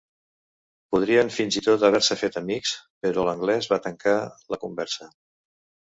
Podrien fins i tot haver-se fet amics, però l'anglès va tancar la conversa.